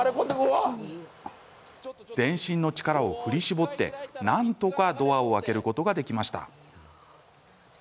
全身の力を振り絞って、なんとかドアを開けることができました。